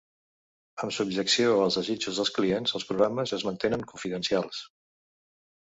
Amb subjecció als desitjos dels clients, els programes es mantenen confidencials.